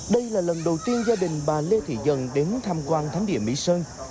đây là lần đầu tiên gia đình bà lê thị dân đến tham quan thám điểm mỹ sơn